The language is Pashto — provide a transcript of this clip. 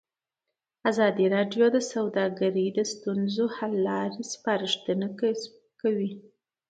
ازادي راډیو د سوداګري د ستونزو حل لارې سپارښتنې کړي.